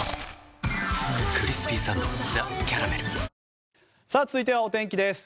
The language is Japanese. わぁ続いては、お天気です。